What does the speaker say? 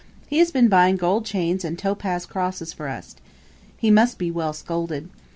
He has been buying gold chains and topaze crosses for us. He must be well scolded.